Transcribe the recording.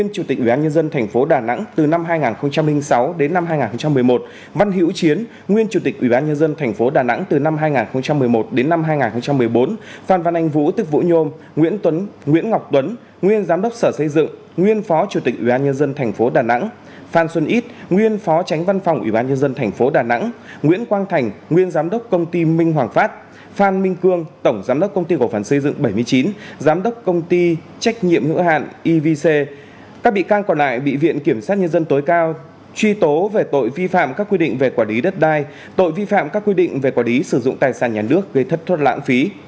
số đối tượng bị truy tố về tội vi phạm quy định về quả lý sử dụng tài sản nhà nước gây thất thoát lãng phí và tội vi phạm các quy định về quả lý sử dụng tài sản nhà nước gây thất thoát lãng phí